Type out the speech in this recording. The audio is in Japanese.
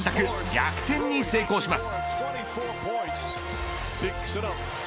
逆転に成功します。